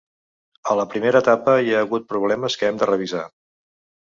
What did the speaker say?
A la primera etapa hi ha hagut problemes que hem de revisar.